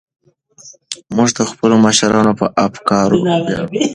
موږ د خپلو مشرانو په افکارو ویاړو.